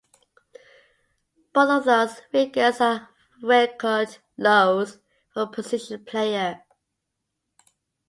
Both of those figures are record lows for a position player.